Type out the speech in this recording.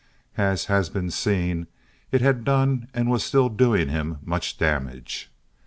As has been seen, it had done and was still doing him much damage.